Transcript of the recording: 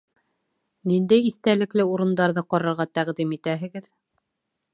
Ниндәй иҫтәлекле урындарҙы ҡарарға тәҡдим итәһегеҙ?